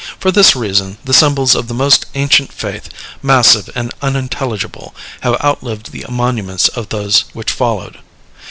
For this reason, the symbols of the most ancient faith, massive and unintelligible, have outlived the monuments of those which followed.